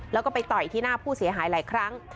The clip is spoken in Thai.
แล้วก็ไปต่อยที่หน้าผู้เสียหายหลายครั้ง